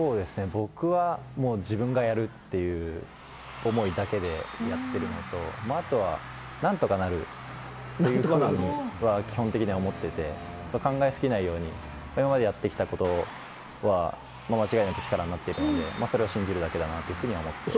僕は自分がやるという思いだけでやっているのとあとは何とかなるということは基本的に思っていて考えすぎないように今までやってきたことは全部、力になっていくのでそれを信じてやっていくと思っています。